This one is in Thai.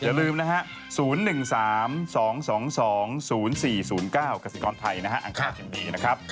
อย่าลืมนะฮะ๐๑๓๒๒๒๐๔๐๙กษิกรไทยนะฮะอังคารยังดีนะครับ